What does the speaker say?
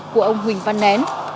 của ông huỳnh văn nén